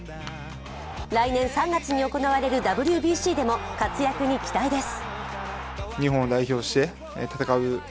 来年３月に行われるＷＢＣでも活躍に期待です。